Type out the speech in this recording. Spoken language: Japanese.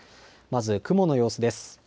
まず雲の様子です。